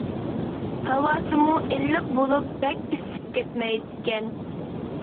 ھاۋاسىمۇ ئىللىق بولۇپ بەك ئىسسىپ كەتمەيدىكەن.